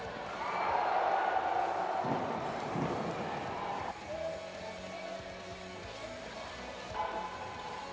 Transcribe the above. สวัสดีครับทุกคน